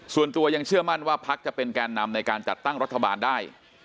ส่วนตัวยังเชื่อมั่นว่าพักจะเป็นแกนนำในการจัดตั้งรัฐบาลได้